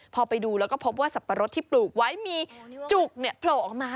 พอไปดูแล้วก็พบว่าสับปะรดที่ปลูกไว้มีจุกโผล่ออกมา